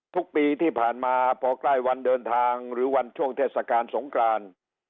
ทุกปีที่ผ่านมาพอใกล้วันเดินทางหรือวันช่วงเทศกาลสงกราน